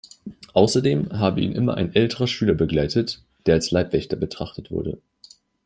Außerdem habe ihn immer ein älterer Schüler begleitet, der als Leibwächter betrachtet wurde.